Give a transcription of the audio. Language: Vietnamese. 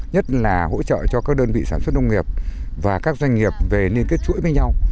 nhất là hỗ trợ cho các đơn vị sản xuất nông nghiệp và các doanh nghiệp về liên kết chuỗi với nhau